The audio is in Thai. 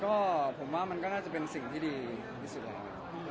ก็ผมว่ามันก็น่าจะเป็นสิ่งที่ดีที่สุดแล้ว